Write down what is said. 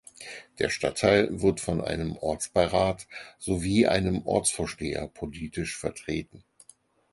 Der Stadtteil wird von einem Ortsbeirat sowie einem Ortsvorsteher politisch vertreten.